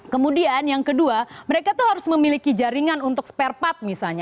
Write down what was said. kemudian yang kedua mereka itu harus memiliki jaringan untuk spare part misalnya